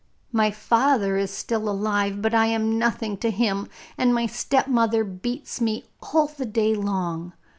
My father is still alive, but I am nothing to him, and my stepmother beats me all the day long.